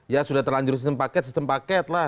ya sudah terlanjur sistem paket sistem paket lah